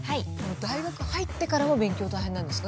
大学入ってからも勉強大変なんですか？